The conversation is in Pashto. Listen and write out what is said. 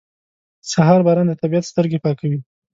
• د سهار باران د طبیعت سترګې پاکوي.